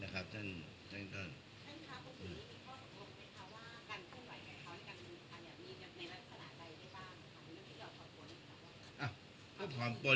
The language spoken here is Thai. เอเช่นเธอ